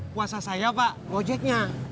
puasa saya pak gojeknya